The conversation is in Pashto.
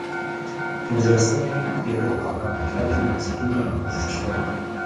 پنځلسمې پېړۍ کې په امریکا کې بنسټونه رامنځته شول.